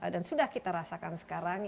dan sudah kita rasakan sekarang